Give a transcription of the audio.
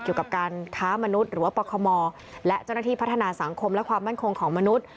เกี่ยวกับการค้ามนุษย์หรือว่าปคมและเจ้าหน้าที่พัฒนาสังคมและความมั่นคงของมนุษย์